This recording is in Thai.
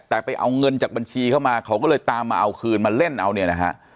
แต่ไปเอาเงินจากบัญชีเข้ามาเขาก็เลยตามมาเอาคืนมาเล่นเอาเนี่ยนะฮะ